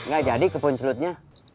gak jadi ke punculutnya